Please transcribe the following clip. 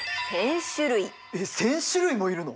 えっ１，０００種類もいるの？